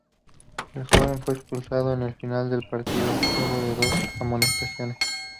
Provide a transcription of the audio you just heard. El joven fue expulsado en el final del partido luego de dos amonestaciones.